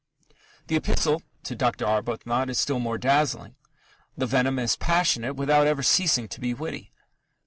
The Epistle to Dr. Arbuthnot is still more dazzling. The venom is passionate without ever ceasing to be witty.